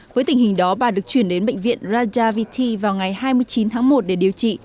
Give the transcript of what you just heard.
hình đó bà được chuyển đến bệnh viện rajaviti vào ngày hai mươi chín tháng một để điều trị